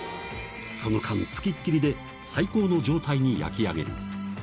その間、付きっきりで最高の状態に焼き上げる。